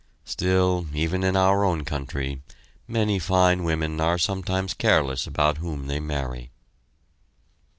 Still, even in our own country very fine women are sometimes careless about whom they marry.